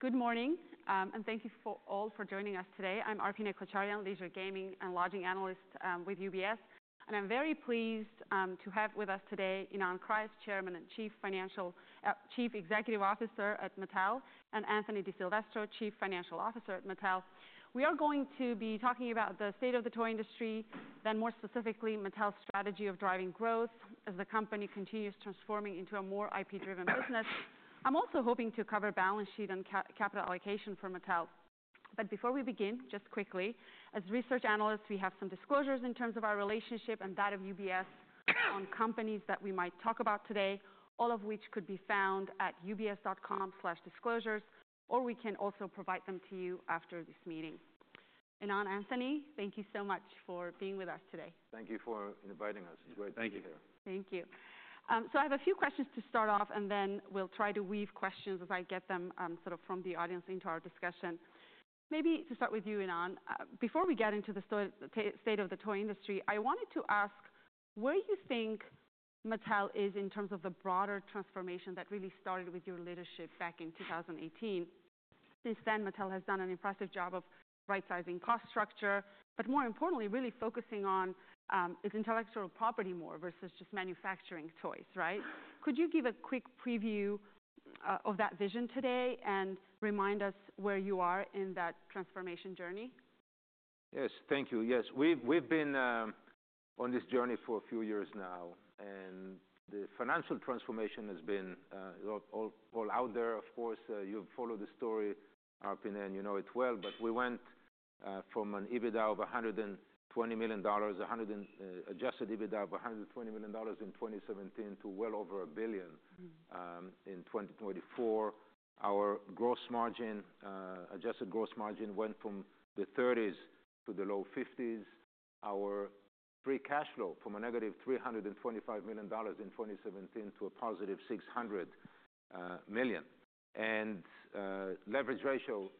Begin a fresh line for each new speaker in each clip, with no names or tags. Good morning, and thank you all for joining us today. I'm Arpine Kocharian, leisure gaming and lodging analyst with UBS, and I'm very pleased to have with us today Ynon Kreiz, Chairman and Chief Executive Officer at Mattel, and Anthony DiSilvestro, Chief Financial Officer at Mattel. We are going to be talking about the state of the toy industry, then more specifically Mattel's strategy of driving growth as the company continues transforming into a more IP-driven business. I'm also hoping to cover balance sheet and capital allocation for Mattel. Before we begin, just quickly, as research analysts, we have some disclosures in terms of our relationship and that of UBS on companies that we might talk about today, all of which could be found at ubs.com/disclosures, or we can also provide them to you after this meeting. Ynon, Anthony, thank you so much for being with us today.
Thank you for inviting us. It's great to be here.
Thank you. I have a few questions to start off, and then we'll try to weave questions as I get them sort of from the audience into our discussion. Maybe to start with you, Ynon, before we get into the state of the toy industry, I wanted to ask, where do you think Mattel is in terms of the broader transformation that really started with your leadership back in 2018? Since then, Mattel has done an impressive job of right-sizing cost structure, but more importantly, really focusing on its intellectual property more versus just manufacturing toys, right? Could you give a quick preview of that vision today and remind us where you are in that transformation journey?
Yes, thank you. Yes, we've been on this journey for a few years now, and the financial transformation has been all out there. Of course, you've followed the story, Arpine, and you know it well, but we went from an EBITDA of $120 million, adjusted EBITDA of $120 million in 2017, to well over $1 billion in 2024. Our gross margin, adjusted gross margin, went from the 30s to the low 50s. Our free cash flow from a negative $325 million in 2017 to a positive $600 million. Leverage ratio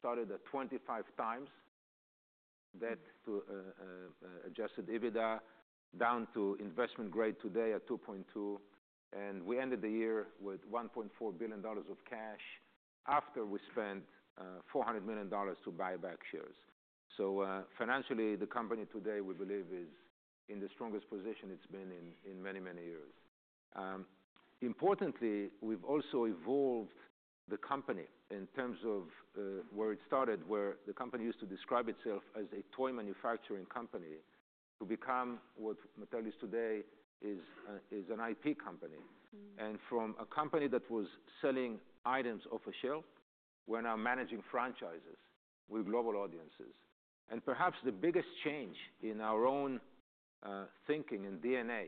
started at 25 times that to adjusted EBITDA, down to investment grade today at 2.2. We ended the year with $1.4 billion of cash after we spent $400 million to buy back shares. Financially, the company today, we believe, is in the strongest position it's been in many, many years. Importantly, we've also evolved the company in terms of where it started, where the company used to describe itself as a toy manufacturing company to become what Mattel is today, is an IP company. From a company that was selling items off a shelf, we're now managing franchises with global audiences. Perhaps the biggest change in our own thinking and DNA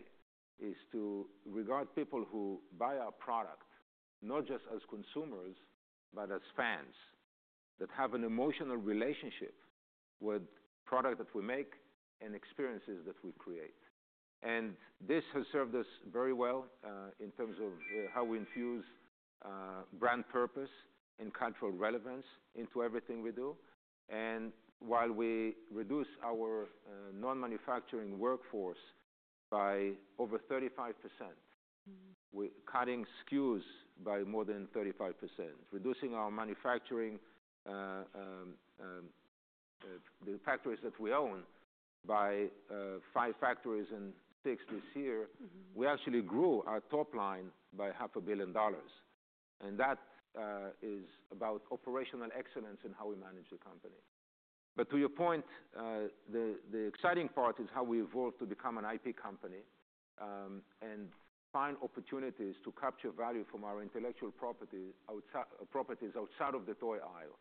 is to regard people who buy our product not just as consumers, but as fans that have an emotional relationship with the product that we make and experiences that we create. This has served us very well in terms of how we infuse brand purpose and cultural relevance into everything we do. While we reduce our non-manufacturing workforce by over 35%, we're cutting SKUs by more than 35%, reducing our manufacturing factories that we own by five factories and six this year. We actually grew our top line by $500,000,000. That is about operational excellence in how we manage the company. To your point, the exciting part is how we evolved to become an IP company and find opportunities to capture value from our intellectual properties outside of the toy aisle.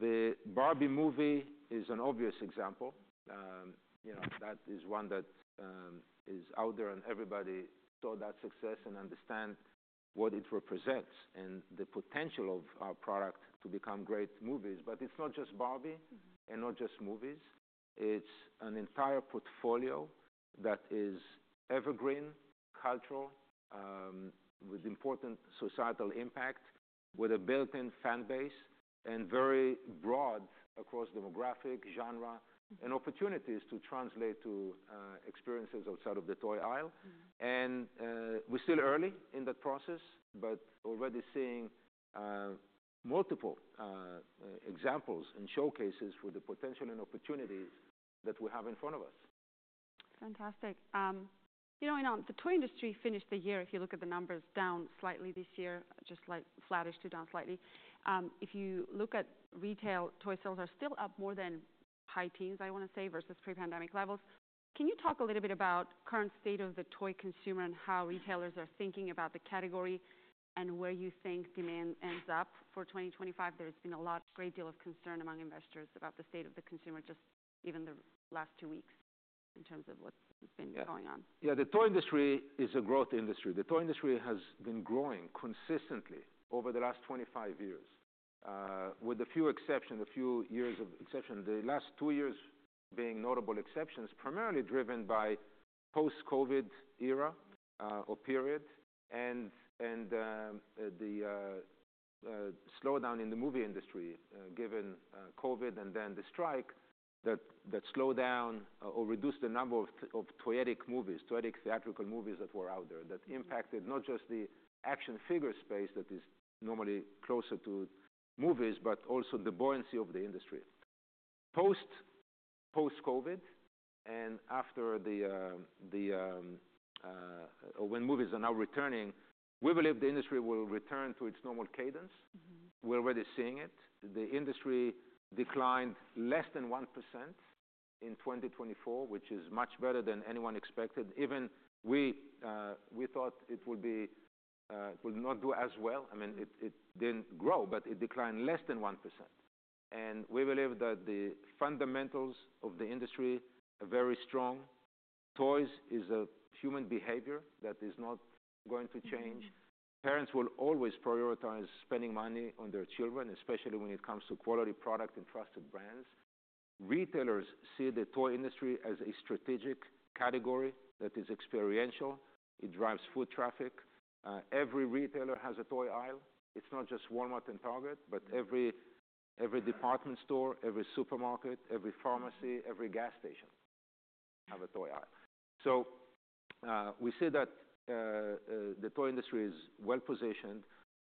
The Barbie movie is an obvious example. That is one that is out there, and everybody saw that success and understands what it represents and the potential of our product to become great movies. It is not just Barbie and not just movies. It is an entire portfolio that is evergreen, cultural, with important societal impact, with a built-in fan base, and very broad across demographic, genre, and opportunities to translate to experiences outside of the toy aisle. We're still early in that process, but already seeing multiple examples and showcases for the potential and opportunities that we have in front of us.
Fantastic. You know, Ynon, the toy industry finished the year, if you look at the numbers, down slightly this year, just like flattish to down slightly. If you look at retail, toy sales are still up more than high teens, I want to say, versus pre-pandemic levels. Can you talk a little bit about the current state of the toy consumer and how retailers are thinking about the category and where you think demand ends up for 2025? There has been a great deal of concern among investors about the state of the consumer, just even the last two weeks in terms of what has been going on.
Yeah, the toy industry is a growth industry. The toy industry has been growing consistently over the last 25 years, with a few exceptions, a few years of exceptions. The last two years being notable exceptions, primarily driven by the post-COVID era or period and the slowdown in the movie industry given COVID and then the strike, that slowed down or reduced the number of toyetic movies, toyetic theatrical movies that were out there that impacted not just the action figure space that is normally closer to movies, but also the buoyancy of the industry. Post-COVID and after when movies are now returning, we believe the industry will return to its normal cadence. We're already seeing it. The industry declined less than 1% in 2024, which is much better than anyone expected. Even we thought it would not do as well. I mean, it didn't grow, but it declined less than 1%. We believe that the fundamentals of the industry are very strong. Toys is a human behavior that is not going to change. Parents will always prioritize spending money on their children, especially when it comes to quality product and trusted brands. Retailers see the toy industry as a strategic category that is experiential. It drives foot traffic. Every retailer has a toy aisle. It's not just Walmart and Target, but every department store, every supermarket, every pharmacy, every gas station has a toy aisle. We see that the toy industry is well positioned.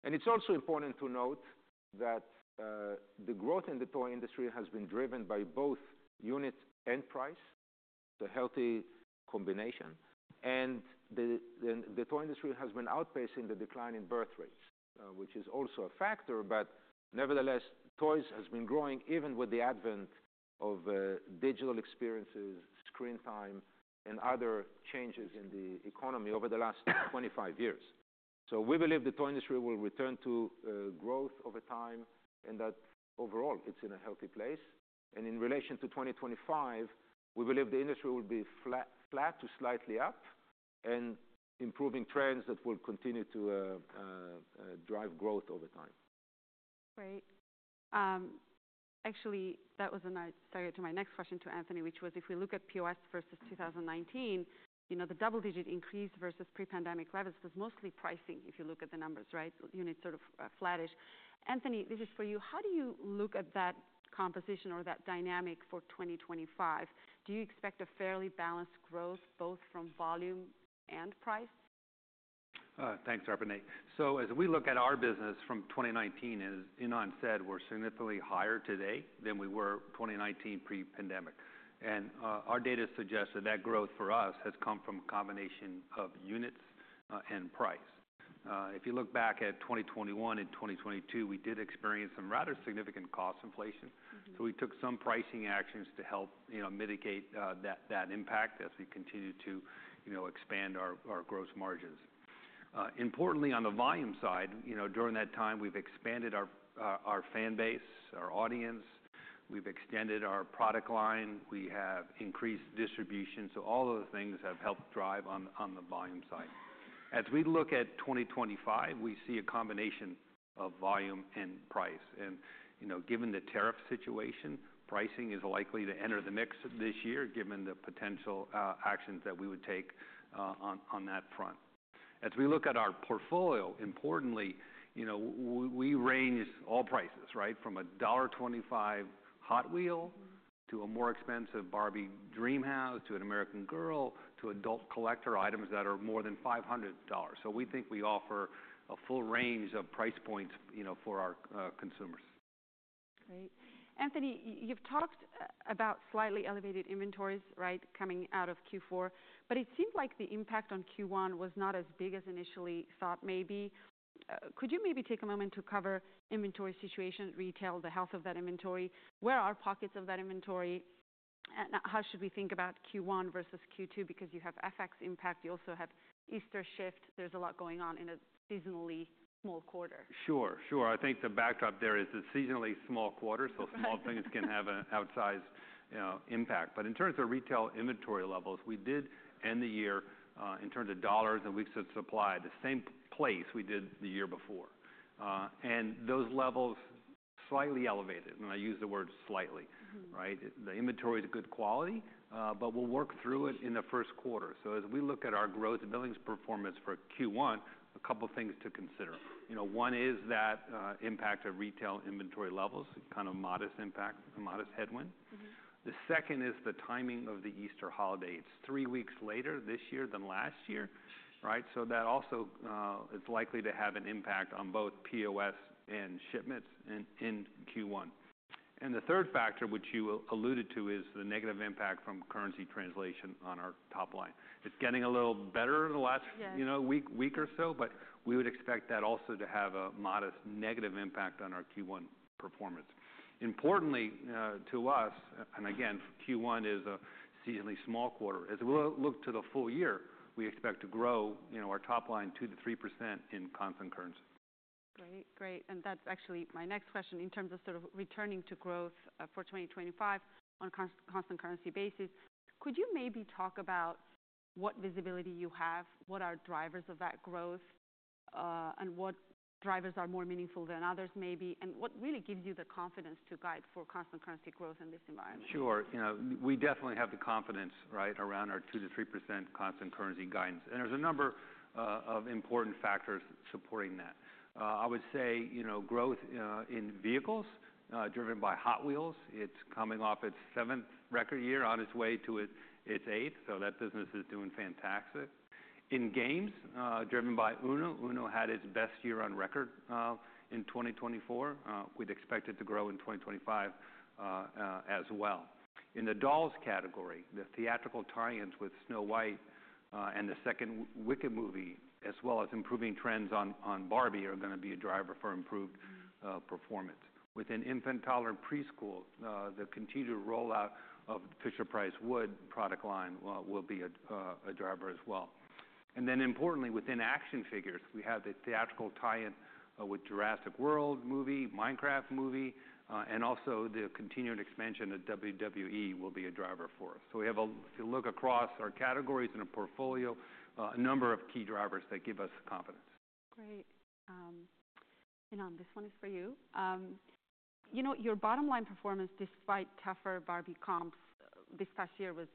It's also important to note that the growth in the toy industry has been driven by both unit and price, a healthy combination. The toy industry has been outpacing the decline in birth rates, which is also a factor. Nevertheless, toys has been growing even with the advent of digital experiences, screen time, and other changes in the economy over the last 25 years. We believe the toy industry will return to growth over time and that overall it's in a healthy place. In relation to 2025, we believe the industry will be flat to slightly up and improving trends that will continue to drive growth over time.
Great. Actually, that was a nice segue to my next question to Anthony, which was, if we look at POS versus 2019, the double-digit increase versus pre-pandemic levels was mostly pricing, if you look at the numbers, right? Units sort of flattish. Anthony, this is for you. How do you look at that composition or that dynamic for 2025? Do you expect a fairly balanced growth both from volume and price?
Thanks, Arpine. As we look at our business from 2019, as Ynon said, we're significantly higher today than we were 2019 pre-pandemic. Our data suggests that that growth for us has come from a combination of units and price. If you look back at 2021 and 2022, we did experience some rather significant cost inflation. We took some pricing actions to help mitigate that impact as we continue to expand our gross margins. Importantly, on the volume side, during that time, we've expanded our fan base, our audience. We've extended our product line. We have increased distribution. All of the things have helped drive on the volume side. As we look at 2025, we see a combination of volume and price. Given the tariff situation, pricing is likely to enter the mix this year, given the potential actions that we would take on that front. As we look at our portfolio, importantly, we range all prices, right, from a $1.25 Hot Wheels to a more expensive Barbie Dreamhouse to an American Girl to adult collector items that are more than $500. We think we offer a full range of price points for our consumers.
Great. Anthony, you've talked about slightly elevated inventories, right, coming out of Q4, but it seemed like the impact on Q1 was not as big as initially thought maybe. Could you maybe take a moment to cover inventory situation, retail, the health of that inventory? Where are pockets of that inventory? How should we think about Q1 versus Q2? Because you have FX impact. You also have Easter shift. There's a lot going on in a seasonally small quarter.
Sure, sure. I think the backdrop there is a seasonally small quarter, so small things can have an outsized impact. In terms of retail inventory levels, we did end the year in terms of dollars and weeks of supply, the same place we did the year before. Those levels are slightly elevated. I use the word slightly, right? The inventory is good quality, but we'll work through it in the first quarter. As we look at our growth and earnings performance for Q1, a couple of things to consider. One is that impact of retail inventory levels, kind of modest impact, a modest headwind. The second is the timing of the Easter holiday. It's three weeks later this year than last year, right? That also is likely to have an impact on both POS and shipments in Q1. The third factor, which you alluded to, is the negative impact from currency translation on our top line. It is getting a little better in the last week or so, but we would expect that also to have a modest negative impact on our Q1 performance. Importantly to us, and again, Q1 is a seasonally small quarter. As we look to the full year, we expect to grow our top line 2%-3% in constant currency.
Great, great. That's actually my next question in terms of sort of returning to growth for 2025 on a constant currency basis. Could you maybe talk about what visibility you have, what are drivers of that growth, and what drivers are more meaningful than others maybe, and what really gives you the confidence to guide for constant currency growth in this environment?
Sure. We definitely have the confidence, right, around our 2%-3% constant currency guidance. And there's a number of important factors supporting that. I would say growth in vehicles driven by Hot Wheels. It's coming off its seventh record year on its way to its eighth. So that business is doing fantastic. In games, driven by Uno. Uno had its best year on record in 2024. We'd expect it to grow in 2025 as well. In the dolls category, the theatrical tie-ins with Snow White and the second Wicked movie, as well as improving trends on Barbie, are going to be a driver for improved performance. Within infant and preschool, the continued rollout of the Fisher-Price Wood product line will be a driver as well. Importantly, within action figures, we have the theatrical tie-in with Jurassic World movie, Minecraft movie, and also the continued expansion of WWE will be a driver for us. If you look across our categories and our portfolio, a number of key drivers give us confidence.
Great. Ynon, this one is for you. You know, your bottom line performance, despite tougher Barbie comps this past year, was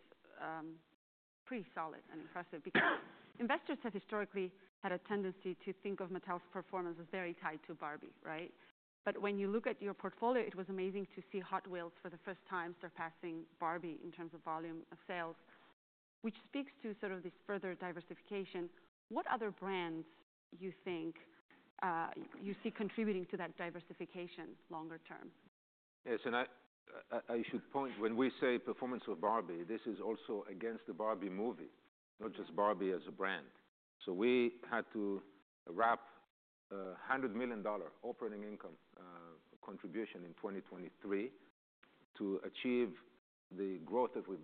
pretty solid and impressive because investors have historically had a tendency to think of Mattel's performance as very tied to Barbie, right? When you look at your portfolio, it was amazing to see Hot Wheels for the first time surpassing Barbie in terms of volume of sales, which speaks to sort of this further diversification. What other brands do you think you see contributing to that diversification longer term?
Yes, and I should point, when we say performance of Barbie, this is also against the Barbie movie, not just Barbie as a brand. We had to wrap a $100 million operating income contribution in 2023 to achieve the growth that we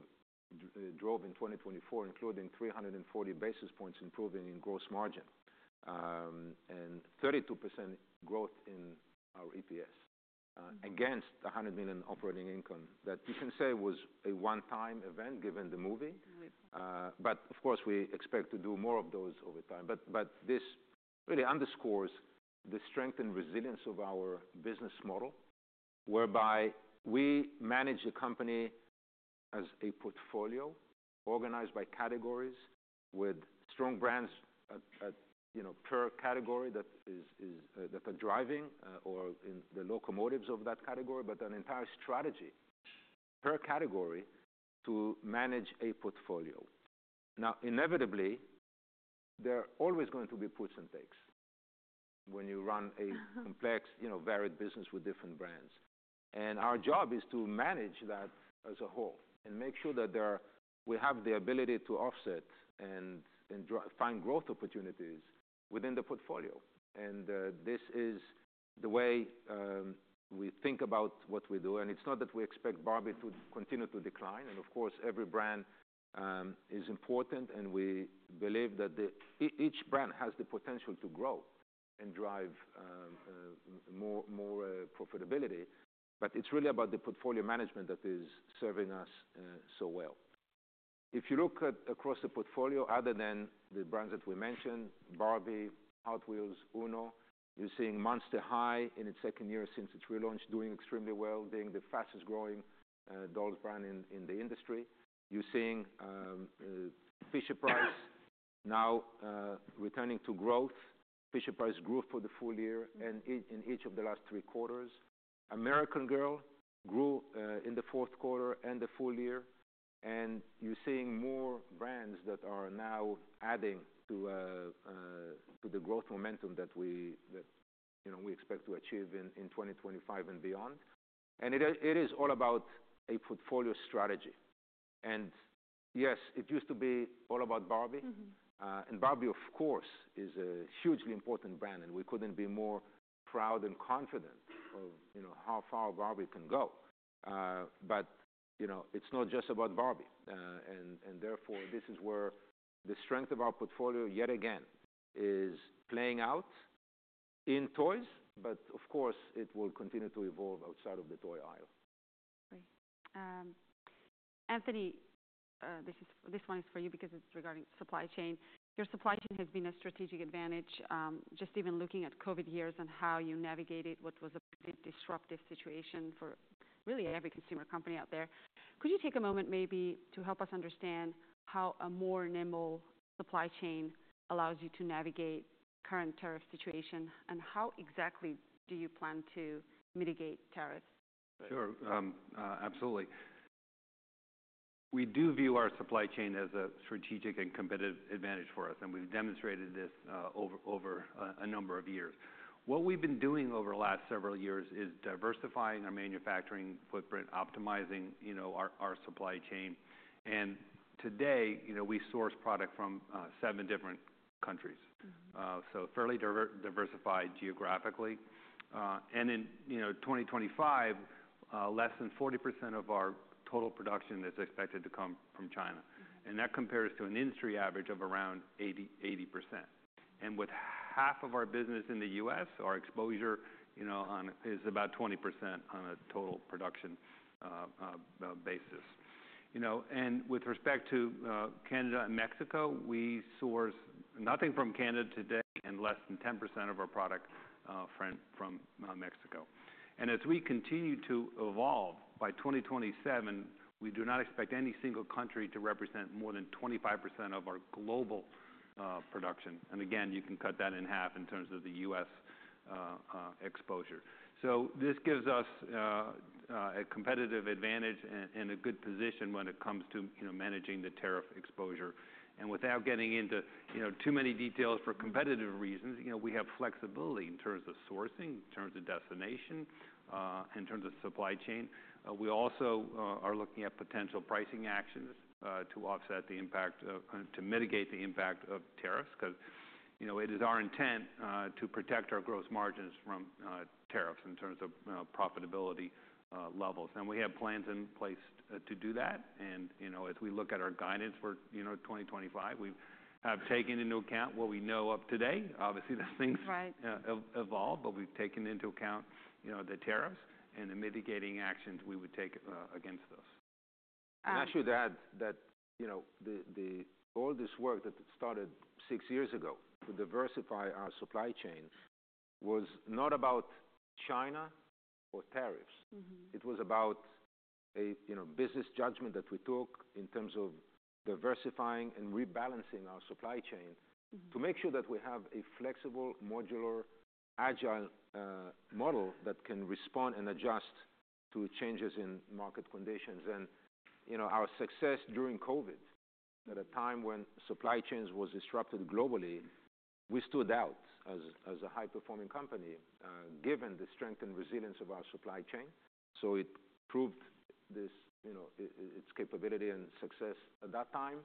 drove in 2024, including 340 basis points improving in gross margin and 32% growth in our EPS against the $100 million operating income that you can say was a one-time event given the movie. Of course, we expect to do more of those over time. This really underscores the strength and resilience of our business model, whereby we manage the company as a portfolio organized by categories with strong brands per category that are driving or in the locomotives of that category, but an entire strategy per category to manage a portfolio. Now, inevitably, there are always going to be puts and takes when you run a complex, varied business with different brands. Our job is to manage that as a whole and make sure that we have the ability to offset and find growth opportunities within the portfolio. This is the way we think about what we do. It's not that we expect Barbie to continue to decline. Of course, every brand is important. We believe that each brand has the potential to grow and drive more profitability. It's really about the portfolio management that is serving us so well. If you look across the portfolio, other than the brands that we mentioned, Barbie, Hot Wheels, Uno, you're seeing Monster High in its second year since its relaunch, doing extremely well, being the fastest-growing dolls brand in the industry. You're seeing Fisher-Price now returning to growth. Fisher-Price grew for the full year in each of the last three quarters. American Girl grew in the fourth quarter and the full year. You're seeing more brands that are now adding to the growth momentum that we expect to achieve in 2025 and beyond. It is all about a portfolio strategy. Yes, it used to be all about Barbie. Barbie, of course, is a hugely important brand. We couldn't be more proud and confident of how far Barbie can go. It's not just about Barbie. This is where the strength of our portfolio yet again is playing out in toys. Of course, it will continue to evolve outside of the toy aisle.
Great. Anthony, this one is for you because it's regarding supply chain. Your supply chain has been a strategic advantage. Just even looking at COVID years and how you navigated what was a pretty disruptive situation for really every consumer company out there. Could you take a moment maybe to help us understand how a more nimble supply chain allows you to navigate the current tariff situation? How exactly do you plan to mitigate tariffs?
Sure. Absolutely. We do view our supply chain as a strategic and competitive advantage for us. We have demonstrated this over a number of years. What we have been doing over the last several years is diversifying our manufacturing footprint, optimizing our supply chain. Today, we source product from seven different countries. Fairly diversified geographically. In 2025, less than 40% of our total production is expected to come from China. That compares to an industry average of around 80%. With half of our business in the US, our exposure is about 20% on a total production basis. With respect to Canada and Mexico, we source nothing from Canada today and less than 10% of our product from Mexico. As we continue to evolve, by 2027, we do not expect any single country to represent more than 25% of our global production. You can cut that in half in terms of the U.S. exposure. This gives us a competitive advantage and a good position when it comes to managing the tariff exposure. Without getting into too many details for competitive reasons, we have flexibility in terms of sourcing, in terms of destination, in terms of supply chain. We also are looking at potential pricing actions to offset the impact, to mitigate the impact of tariffs because it is our intent to protect our gross margins from tariffs in terms of profitability levels. We have plans in place to do that. As we look at our guidance for 2025, we have taken into account what we know of today. Obviously, those things evolve, but we have taken into account the tariffs and the mitigating actions we would take against those.
I'm actually glad that all this work that started six years ago to diversify our supply chain was not about China or tariffs. It was about a business judgment that we took in terms of diversifying and rebalancing our supply chain to make sure that we have a flexible, modular, agile model that can respond and adjust to changes in market conditions. Our success during COVID, at a time when supply chains were disrupted globally, we stood out as a high-performing company, given the strength and resilience of our supply chain. It proved its capability and success at that time.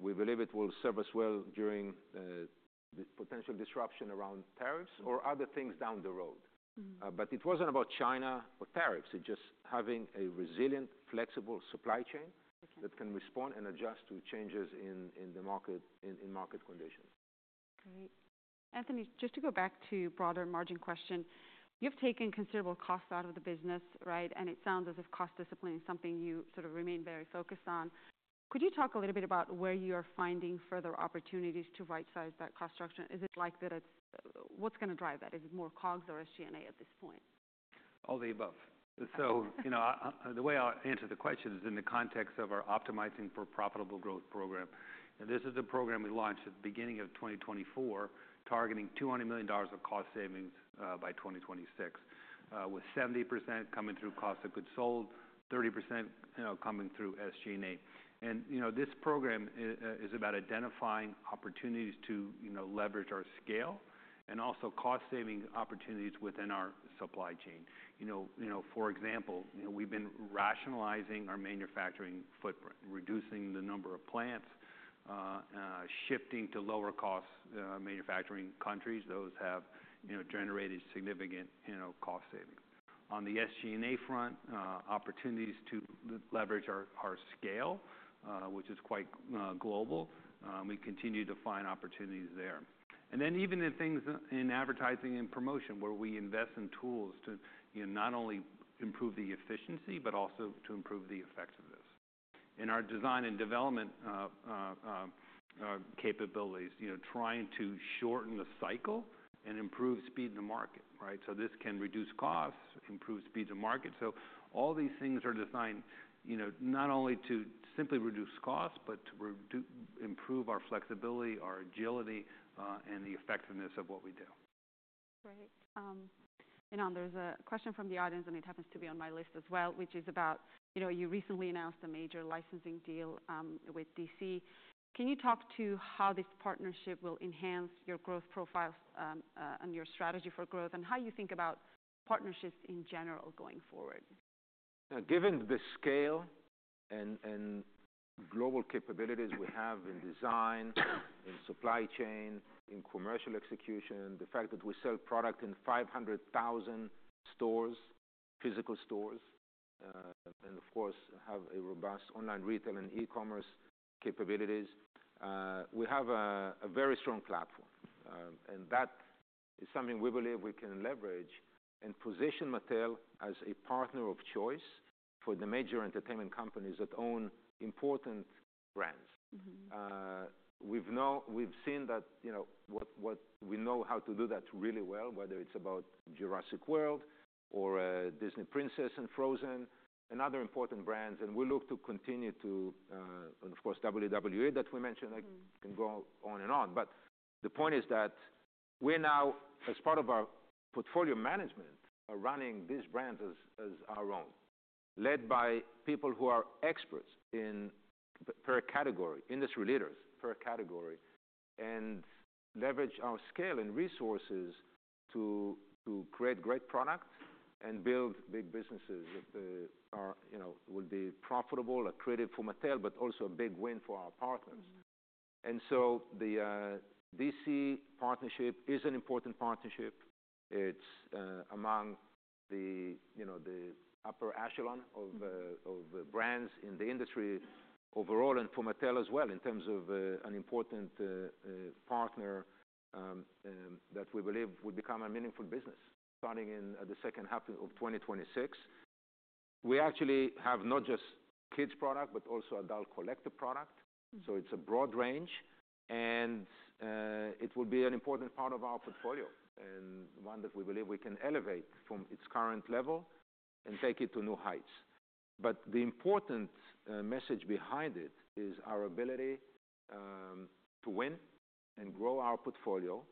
We believe it will serve us well during the potential disruption around tariffs or other things down the road. It was not about China or tariffs. It is just having a resilient, flexible supply chain that can respond and adjust to changes in market conditions.
Great. Anthony, just to go back to the broader margin question, you've taken considerable costs out of the business, right? It sounds as if cost discipline is something you sort of remain very focused on. Could you talk a little bit about where you are finding further opportunities to right-size that cost structure? Is it like that it's what's going to drive that? Is it more COGS or SG&A at this point?
All the above. The way I'll answer the question is in the context of our Optimizing for Profitable Growth program. This is the program we launched at the beginning of 2024, targeting $200 million of cost savings by 2026, with 70% coming through cost of goods sold, 30% coming through SG&A. This program is about identifying opportunities to leverage our scale and also cost-saving opportunities within our supply chain. For example, we've been rationalizing our manufacturing footprint, reducing the number of plants, shifting to lower-cost manufacturing countries. Those have generated significant cost savings. On the SG&A front, opportunities to leverage our scale, which is quite global. We continue to find opportunities there. Even in things in advertising and promotion, where we invest in tools to not only improve the efficiency, but also to improve the effectiveness. In our design and development capabilities, trying to shorten the cycle and improve speed to market, right? This can reduce costs, improve speed to market. All these things are designed not only to simply reduce costs, but to improve our flexibility, our agility, and the effectiveness of what we do.
Great. Ynon, there's a question from the audience, and it happens to be on my list as well, which is about you recently announced a major licensing deal with DC. Can you talk to how this partnership will enhance your growth profiles and your strategy for growth, and how you think about partnerships in general going forward?
Given the scale and global capabilities we have in design, in supply chain, in commercial execution, the fact that we sell product in 500,000 stores, physical stores, and of course, have a robust online retail and e-commerce capabilities, we have a very strong platform. That is something we believe we can leverage and position Mattel as a partner of choice for the major entertainment companies that own important brands. We have seen that we know how to do that really well, whether it is about Jurassic World or Disney Princess and Frozen, and other important brands. We look to continue to, and of course, WWE that we mentioned, I can go on and on. The point is that we're now, as part of our portfolio management, running these brands as our own, led by people who are experts in per category, industry leaders per category, and leverage our scale and resources to create great products and build big businesses that will be profitable, accretive for Mattel, but also a big win for our partners. The DC partnership is an important partnership. It's among the upper echelon of brands in the industry overall and for Mattel as well in terms of an important partner that we believe will become a meaningful business starting in the second half of 2026. We actually have not just kids' product, but also adult collector product. It's a broad range. It will be an important part of our portfolio and one that we believe we can elevate from its current level and take it to new heights. The important message behind it is our ability to win and grow our portfolio.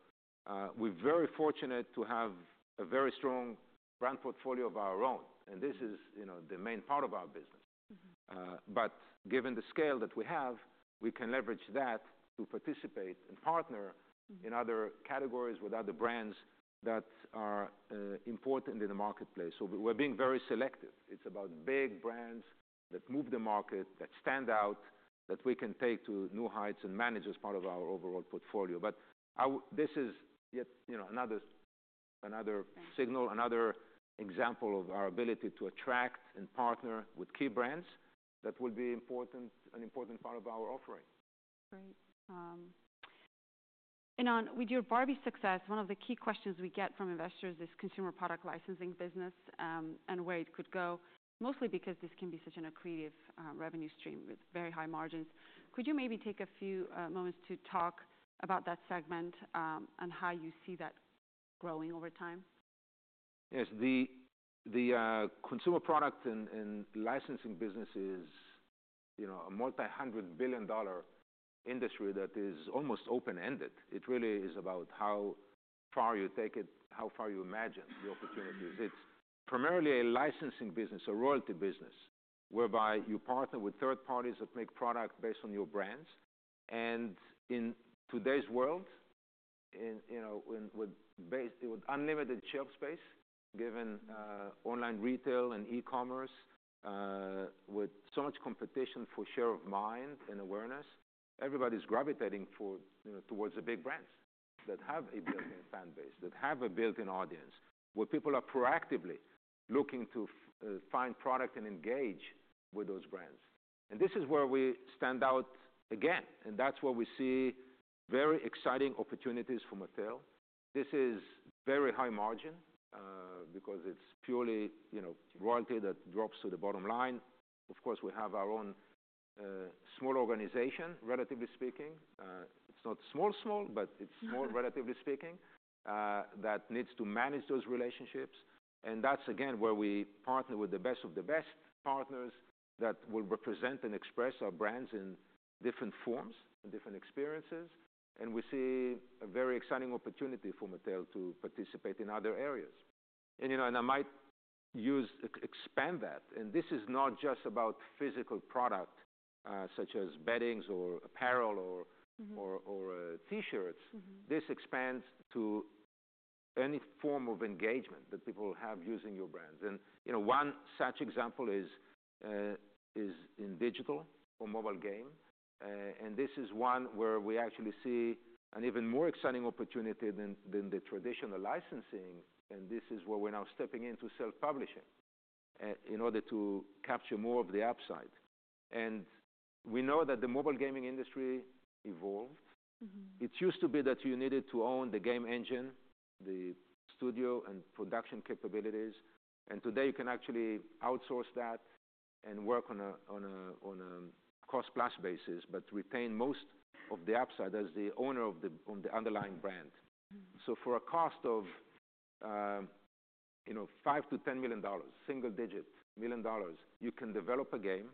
We're very fortunate to have a very strong brand portfolio of our own. This is the main part of our business. Given the scale that we have, we can leverage that to participate and partner in other categories with other brands that are important in the marketplace. We're being very selective. It's about big brands that move the market, that stand out, that we can take to new heights and manage as part of our overall portfolio. This is yet another signal, another example of our ability to attract and partner with key brands that will be an important part of our offering.
Great. Ynon, with your Barbie success, one of the key questions we get from investors is consumer product licensing business and where it could go, mostly because this can be such an accretive revenue stream with very high margins. Could you maybe take a few moments to talk about that segment and how you see that growing over time?
Yes. The consumer product and licensing business is a multi-hundred billion dollar industry that is almost open-ended. It really is about how far you take it, how far you imagine the opportunities. It's primarily a licensing business, a royalty business, whereby you partner with third parties that make product based on your brands. In today's world, with unlimited shelf space, given online retail and e-commerce, with so much competition for share of mind and awareness, everybody's gravitating towards the big brands that have a built-in fan base, that have a built-in audience, where people are proactively looking to find product and engage with those brands. This is where we stand out again. That's where we see very exciting opportunities for Mattel. This is very high margin because it's purely royalty that drops to the bottom line. Of course, we have our own small organization, relatively speaking. It's not small, small, but it's small, relatively speaking, that needs to manage those relationships. That's, again, where we partner with the best of the best partners that will represent and express our brands in different forms, in different experiences. We see a very exciting opportunity for Mattel to participate in other areas. I might expand that. This is not just about physical product such as beddings or apparel or T-shirts. This expands to any form of engagement that people have using your brands. One such example is in digital or mobile game. This is one where we actually see an even more exciting opportunity than the traditional licensing. This is where we're now stepping into self-publishing in order to capture more of the upside. We know that the mobile gaming industry evolved. It used to be that you needed to own the game engine, the studio and production capabilities. Today, you can actually outsource that and work on a cost-plus basis, but retain most of the upside as the owner of the underlying brand. For a cost of $5-$10 million, single digit million dollars, you can develop a game.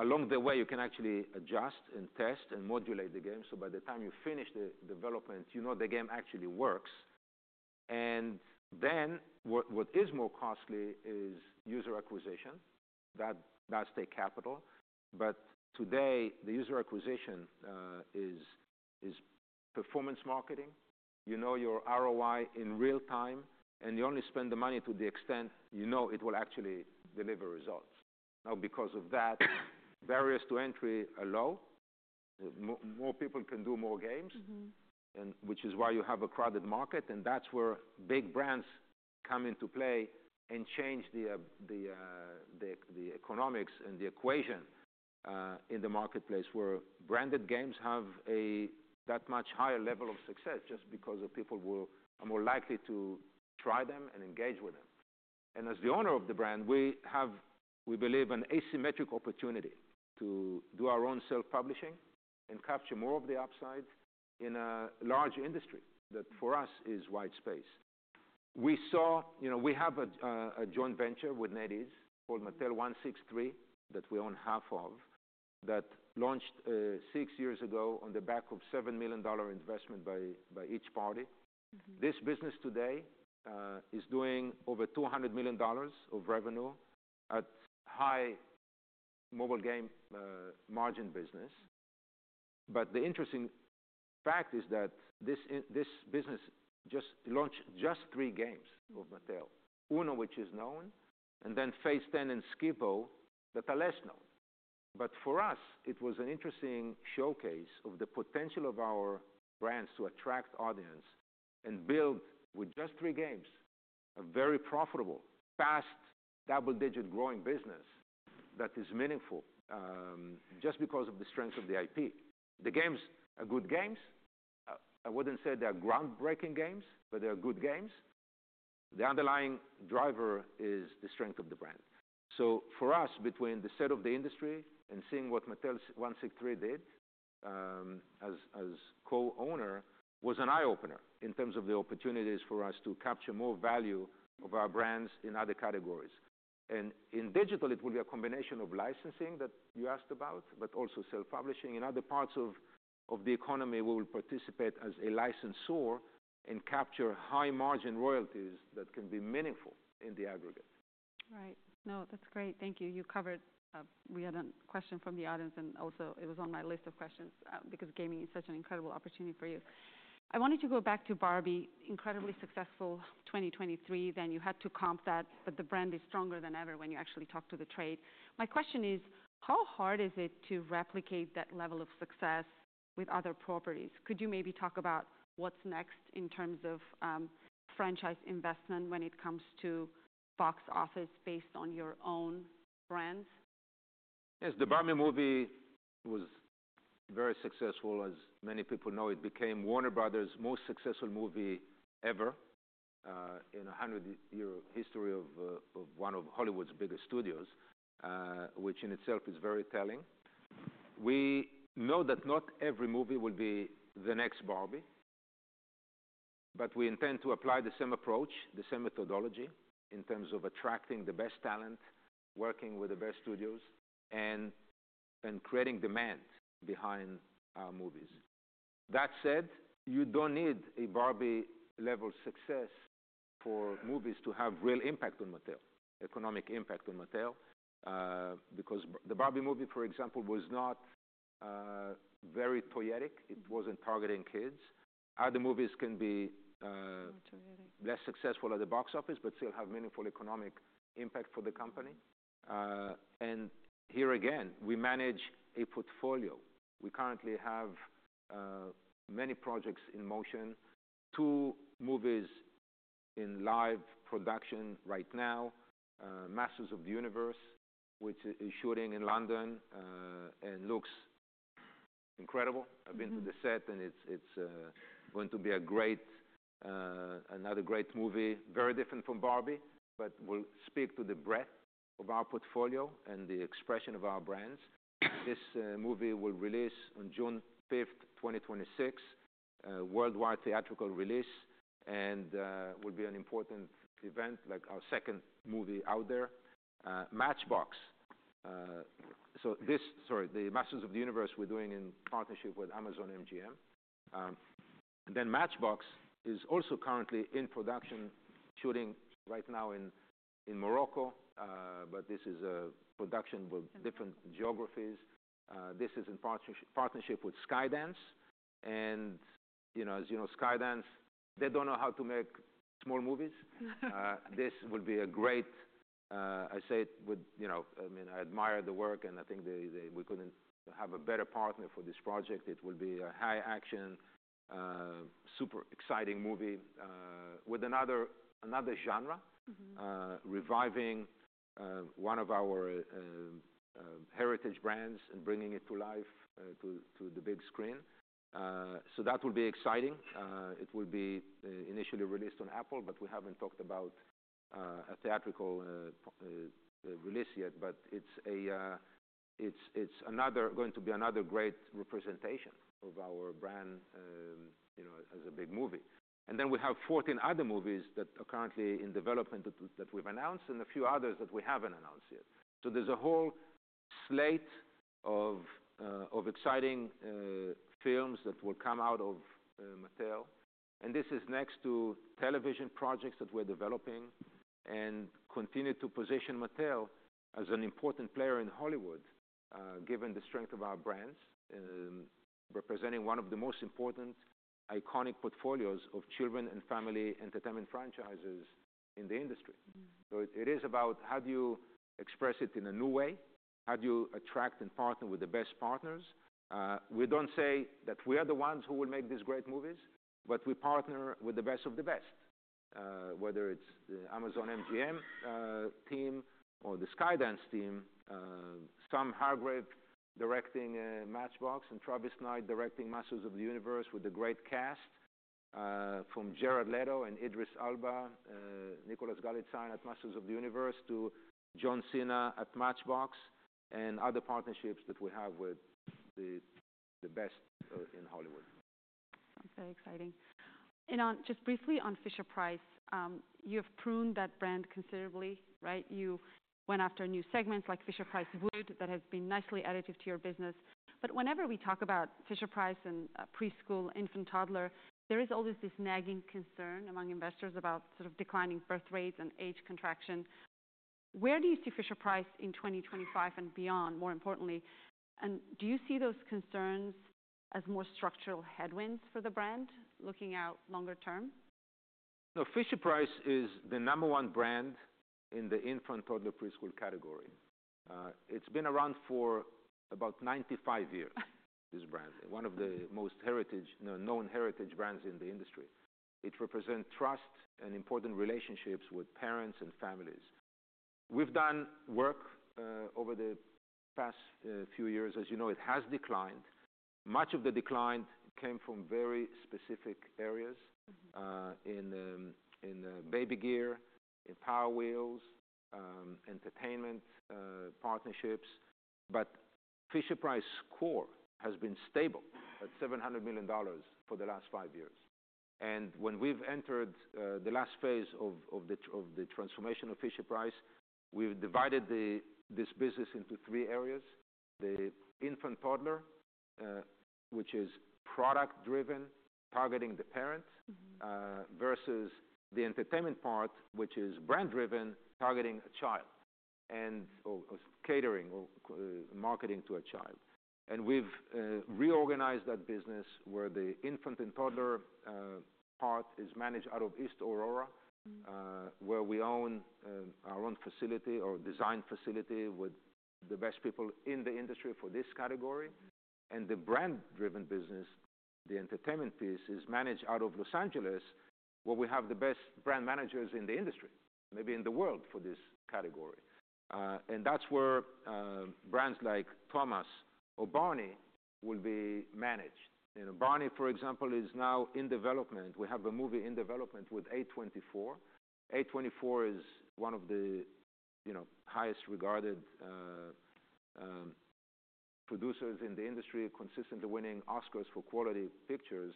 Along the way, you can actually adjust and test and modulate the game. By the time you finish the development, you know the game actually works. What is more costly is user acquisition. That takes capital. Today, the user acquisition is performance marketing. You know your ROI in real time. You only spend the money to the extent you know it will actually deliver results. Now, because of that, barriers to entry are low. More people can do more games, which is why you have a crowded market. That is where big brands come into play and change the economics and the equation in the marketplace, where branded games have a that much higher level of success just because people are more likely to try them and engage with them. As the owner of the brand, we believe an asymmetric opportunity to do our own self-publishing and capture more of the upside in a large industry that, for us, is white space. We have a joint venture with NetEase called Mattel163 that we own half of, that launched six years ago on the back of a $7 million investment by each party. This business today is doing over $200 million of revenue at a high mobile game margin business. The interesting fact is that this business just launched just three games of Mattel, Uno, which is known, and then Phase 10 and Skip-Bo that are less known. For us, it was an interesting showcase of the potential of our brands to attract audience and build, with just three games, a very profitable, fast double-digit growing business that is meaningful just because of the strength of the IP. The games are good games. I would not say they are groundbreaking games, but they are good games. The underlying driver is the strength of the brand. For us, between the state of the industry and seeing what Mattel163 did as co-owner was an eye-opener in terms of the opportunities for us to capture more value of our brands in other categories. In digital, it will be a combination of licensing that you asked about, but also self-publishing. In other parts of the economy, we will participate as a licensor and capture high-margin royalties that can be meaningful in the aggregate.
Right. No, that's great. Thank you. You covered we had a question from the audience, and also, it was on my list of questions because gaming is such an incredible opportunity for you. I wanted to go back to Barbie, incredibly successful 2023. Then you had to comp that, but the brand is stronger than ever when you actually talk to the trade. My question is, how hard is it to replicate that level of success with other properties? Could you maybe talk about what's next in terms of franchise investment when it comes to box office based on your own brands?
Yes. The Barbie movie was very successful. As many people know, it became Warner Brothers' most successful movie ever in a 100-year history of one of Hollywood's biggest studios, which in itself is very telling. We know that not every movie will be the next Barbie, but we intend to apply the same approach, the same methodology in terms of attracting the best talent, working with the best studios, and creating demand behind our movies. That said, you do not need a Barbie-level success for movies to have real impact on Mattel, economic impact on Mattel, because the Barbie movie, for example, was not very toyetic. It was not targeting kids. Other movies can be less successful at the box office, but still have meaningful economic impact for the company. Here, again, we manage a portfolio. We currently have many projects in motion. Two movies in live production right now, Masters of the Universe, which is shooting in London and looks incredible. I've been to the set, and it's going to be another great movie, very different from Barbie, but will speak to the breadth of our portfolio and the expression of our brands. This movie will release on June 5th, 2026, a worldwide theatrical release, and will be an important event, like our second movie out there, Matchbox. Sorry, the Masters of the Universe we're doing in partnership with Amazon MGM. Matchbox is also currently in production, shooting right now in Morocco, but this is a production with different geographies. This is in partnership with Skydance. As you know, Skydance, they don't know how to make small movies. This will be a great, I say it would, I mean, I admire the work, and I think we couldn't have a better partner for this project. It will be a high-action, super exciting movie with another genre, reviving one of our heritage brands and bringing it to life to the big screen. That will be exciting. It will be initially released on Apple, but we haven't talked about a theatrical release yet. It is going to be another great representation of our brand as a big movie. We have 14 other movies that are currently in development that we've announced and a few others that we haven't announced yet. There is a whole slate of exciting films that will come out of Mattel. This is next to television projects that we're developing and continue to position Mattel as an important player in Hollywood, given the strength of our brands, representing one of the most important iconic portfolios of children and family entertainment franchises in the industry. It is about how do you express it in a new way? How do you attract and partner with the best partners? We don't say that we are the ones who will make these great movies, but we partner with the best of the best, whether it's the Amazon MGM team or the Skydance team. Sam Hargrave directing Matchbox and Travis Knight directing Masters of the Universe with a great cast from Jared Leto and Idris Elba, Nicholas Galitzine at Masters of the Universe to John Cena at Matchbox and other partnerships that we have with the best in Hollywood.
Sounds very exciting. Ynon, just briefly on Fisher-Price, you have pruned that brand considerably, right? You went after new segments like Fisher-Price Wood that has been nicely additive to your business. Whenever we talk about Fisher-Price and preschool, infant, toddler, there is always this nagging concern among investors about sort of declining birth rates and age contraction. Where do you see Fisher-Price in 2025 and beyond, more importantly? Do you see those concerns as more structural headwinds for the brand looking out longer term?
No, Fisher-Price is the number one brand in the infant, toddler, preschool category. It's been around for about 95 years, this brand, one of the most known heritage brands in the industry. It represents trust and important relationships with parents and families. We've done work over the past few years. As you know, it has declined. Much of the decline came from very specific areas in baby gear, in Power Wheels, entertainment partnerships. Fisher-Price's core has been stable at $700 million for the last five years. When we've entered the last phase of the transformation of Fisher-Price, we've divided this business into three areas: the infant, toddler, which is product-driven, targeting the parent, versus the entertainment part, which is brand-driven, targeting a child or catering or marketing to a child. We have reorganized that business where the infant and toddler part is managed out of East Aurora, where we own our own facility or design facility with the best people in the industry for this category. The brand-driven business, the entertainment piece, is managed out of Los Angeles, where we have the best brand managers in the industry, maybe in the world for this category. That is where brands like Thomas or Barney will be managed. Barney, for example, is now in development. We have a movie in development with A24. A24 is one of the highest-regarded producers in the industry, consistently winning Oscars for quality pictures,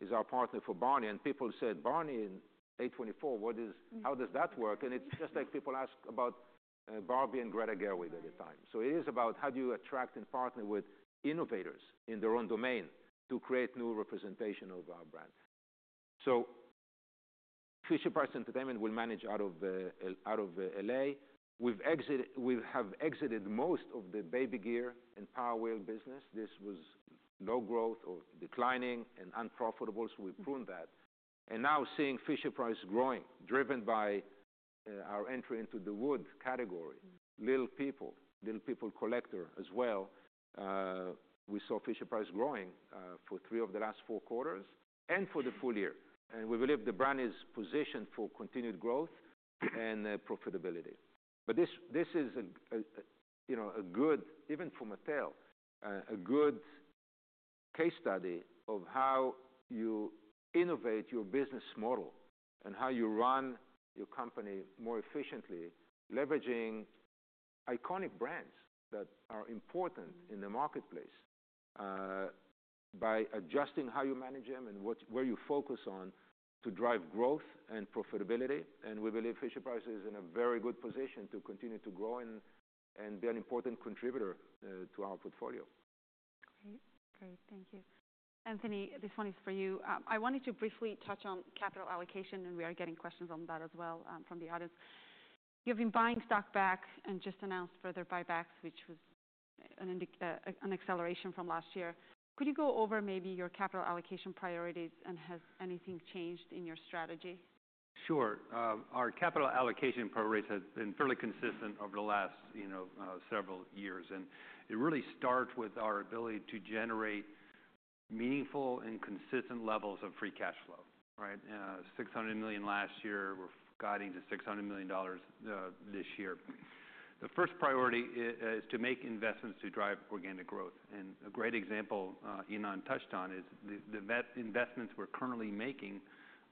is our partner for Barney. People said, "Barney and A24, how does that work?" It is just like people ask about Barbie and Greta Gerwig at the time. It is about how do you attract and partner with innovators in their own domain to create new representation of our brand. Fisher-Price Entertainment will manage out of Los Angeles. We have exited most of the baby gear and Power Wheels business. This was low growth or declining and unprofitable, so we pruned that. Now, seeing Fisher-Price growing, driven by our entry into the wood category, Little People, Little People Collector as well, we saw Fisher-Price growing for three of the last four quarters and for the full year. We believe the brand is positioned for continued growth and profitability. This is a good, even for Mattel, a good case study of how you innovate your business model and how you run your company more efficiently, leveraging iconic brands that are important in the marketplace by adjusting how you manage them and where you focus on to drive growth and profitability. We believe Fisher-Price is in a very good position to continue to grow and be an important contributor to our portfolio.
Great. Great. Thank you. Anthony, this one is for you. I wanted to briefly touch on capital allocation, and we are getting questions on that as well from the audience. You've been buying stock back and just announced further buybacks, which was an acceleration from last year. Could you go over maybe your capital allocation priorities, and has anything changed in your strategy?
Sure. Our capital allocation priorities have been fairly consistent over the last several years. It really starts with our ability to generate meaningful and consistent levels of free cash flow, right? $600 million last year. We're guiding to $600 million this year. The first priority is to make investments to drive organic growth. A great example Ynon touched on is the investments we're currently making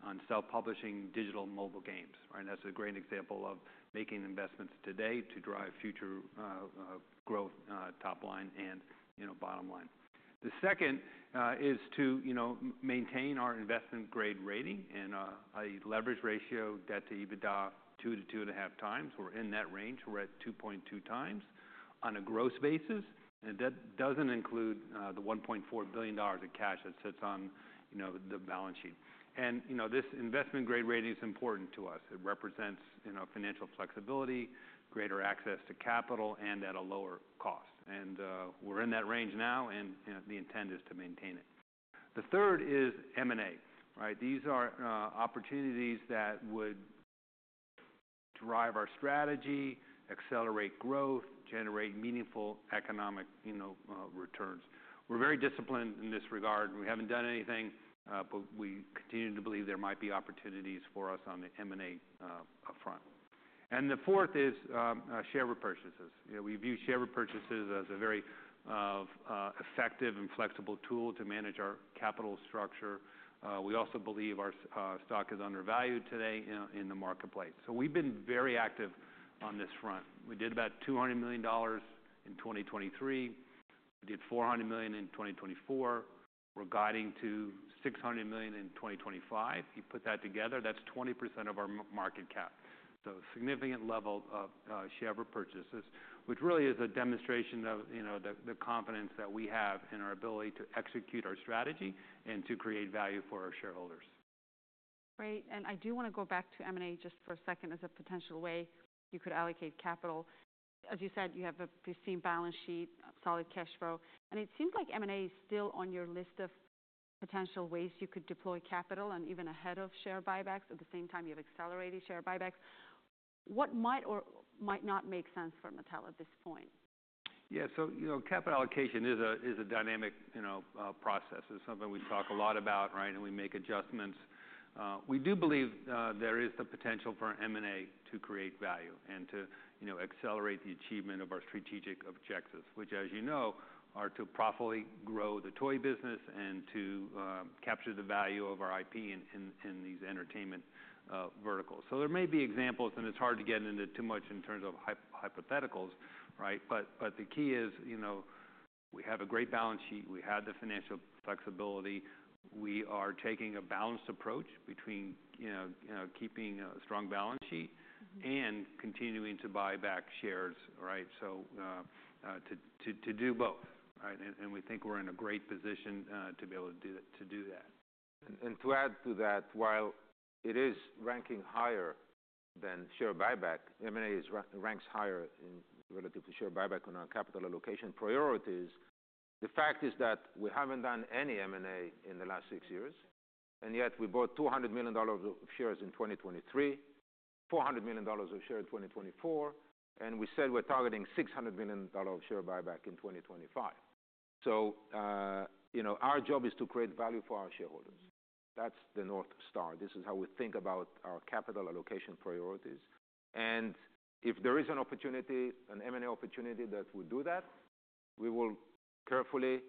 on self-publishing digital mobile games, right? That's a great example of making investments today to drive future growth top line and bottom line. The second is to maintain our investment-grade rating and a leverage ratio, debt-to-EBITDA, 2-2.5 times. We're in that range. We're at 2.2 times on a gross basis. That doesn't include the $1.4 billion in cash that sits on the balance sheet. This investment-grade rating is important to us. It represents financial flexibility, greater access to capital, and at a lower cost. We're in that range now, and the intent is to maintain it. The third is M&A, right? These are opportunities that would drive our strategy, accelerate growth, generate meaningful economic returns. We're very disciplined in this regard. We haven't done anything, but we continue to believe there might be opportunities for us on the M&A front. The fourth is share repurchases. We view share repurchases as a very effective and flexible tool to manage our capital structure. We also believe our stock is undervalued today in the marketplace. We've been very active on this front. We did about $200 million in 2023. We did $400 million in 2024. We're guiding to $600 million in 2025. You put that together, that's 20% of our market cap. Significant level of share repurchases, which really is a demonstration of the confidence that we have in our ability to execute our strategy and to create value for our shareholders.
Great. I do want to go back to M&A just for a second as a potential way you could allocate capital. As you said, you have a pristine balance sheet, solid cash flow. It seems like M&A is still on your list of potential ways you could deploy capital and even ahead of share buybacks. At the same time, you have accelerated share buybacks. What might or might not make sense for Mattel at this point?
Yeah. Capital allocation is a dynamic process. It is something we talk a lot about, right? We make adjustments. We do believe there is the potential for M&A to create value and to accelerate the achievement of our strategic objectives, which, as you know, are to profitably grow the toy business and to capture the value of our IP in these entertainment verticals. There may be examples, and it is hard to get into too much in terms of hypotheticals, right? The key is we have a great balance sheet. We have the financial flexibility. We are taking a balanced approach between keeping a strong balance sheet and continuing to buy back shares, right? To do both, right? We think we are in a great position to be able to do that. To add to that, while it is ranking higher than share buyback, M&A ranks higher relative to share buyback on our capital allocation priorities. The fact is that we have not done any M&A in the last six years. Yet we bought $200 million of shares in 2023, $400 million of shares in 2024, and we said we are targeting $600 million of share buyback in 2025. Our job is to create value for our shareholders. That is the North Star. This is how we think about our capital allocation priorities. If there is an opportunity, an M&A opportunity that would do that, we will carefully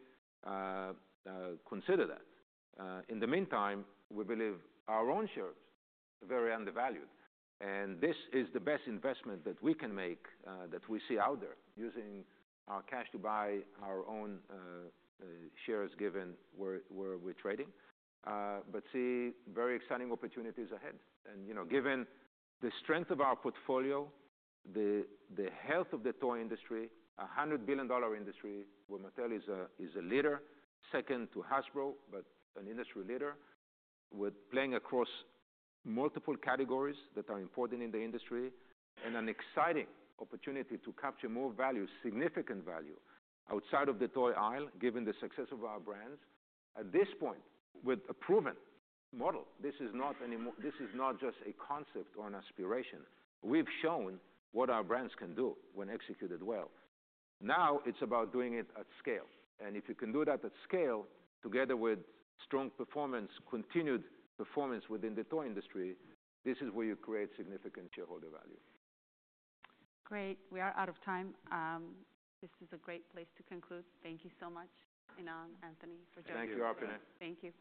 consider that. In the meantime, we believe our own shares are very undervalued. This is the best investment that we can make that we see out there using our cash to buy our own shares given where we are trading. Very exciting opportunities ahead. Given the strength of our portfolio, the health of the toy industry, a $100 billion industry where Mattel is a leader, second to Hasbro, but an industry leader with playing across multiple categories that are important in the industry, and an exciting opportunity to capture more value, significant value outside of the toy aisle, given the success of our brands. At this point, with a proven model, this is not just a concept or an aspiration. We've shown what our brands can do when executed well. Now it's about doing it at scale. If you can do that at scale, together with strong performance, continued performance within the toy industry, this is where you create significant shareholder value.
Great. We are out of time. This is a great place to conclude. Thank you so much, Ynon, Anthony, for joining us.
Thank you, Arpine.
Thank you.